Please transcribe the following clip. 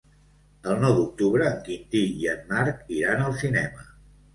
El nou d'octubre en Quintí i en Marc iran al cinema.